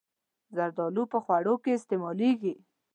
زردالو په خوړو کې استعمالېږي.